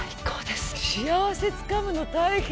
幸せつかむの大変。